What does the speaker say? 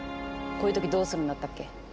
こういうときどうするんだったっけ？